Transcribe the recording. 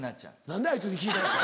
何であいつに聞いたの？